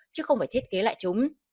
chứ không phải thiết kế lại chúng